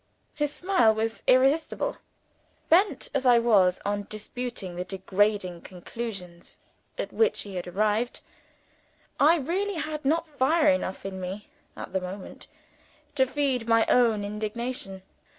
His smile was irresistible. Bent as I was on disputing the degrading conclusions at which he had arrived, I really had not fire enough in me, at the moment, to feed my own indignation.